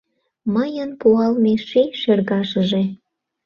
Мыйын пуалме ший шергашыже